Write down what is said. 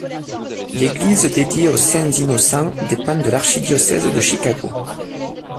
L'église dédiée aux saints Innocents dépend de l'archidiocèse de Chicago.